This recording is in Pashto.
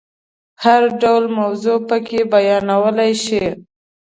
هر ډول موضوع پکې بیانولای شي.